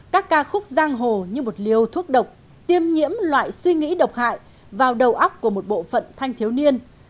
các ca khúc giang hồ như một liều thuốc độc tiêm nhiễm loại suy nghĩ độc hại vào đầu óc của một bộ phận thanh thiếu niên